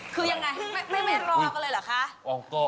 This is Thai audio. คือยังไงไม่รอกันเลยเหรอคะ